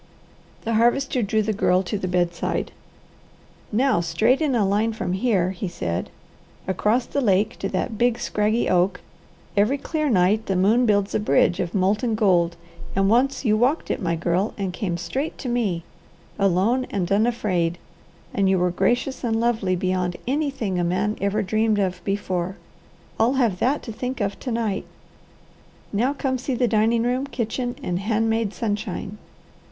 The Harvester drew the Girl to the bedside. "Now straight in a line from here," he said, "across the lake to that big, scraggy oak, every clear night the moon builds a bridge of molten gold, and once you walked it, my girl, and came straight to me, alone and unafraid; and you were gracious and lovely beyond anything a man ever dreamed of before. I'll have that to think of to night. Now come see the dining room, kitchen, and hand made sunshine."